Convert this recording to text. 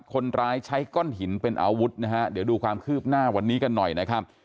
คนร้ายใช้ก้อนหินเป็นอาวุธนะฮะเดี๋ยวดูความคืบหน้าวันนี้กันหน่อยนะครับ